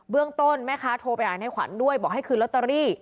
เรื่องต้นแม่ค้าโทรไปหาในขวัญด้วยบอกให้คืนลอตเตอรี่